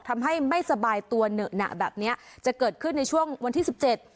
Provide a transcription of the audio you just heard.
ทำให้ไม่สบายตัวเหนอะหนักแบบเนี้ยจะเกิดขึ้นในช่วงวันที่สิบเจ็ด